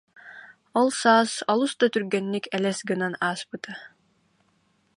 Ол саас олус да түргэнник элэс гынан ааспыта